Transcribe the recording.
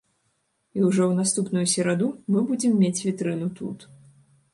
І ўжо ў наступную сераду мы будзем мець вітрыну тут.